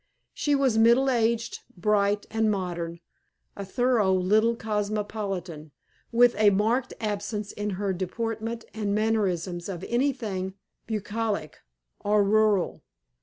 She was middle aged, bright, and modern a thorough little cosmopolitan, with a marked absence in her deportment and mannerisms of anything bucolic or rural.